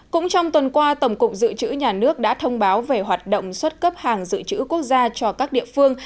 cũng trong tuần qua tổng cục dự trữ nhà nước đã thông báo về hoạt động xuất cấp hàng dự trữ quốc gia cho các địa phương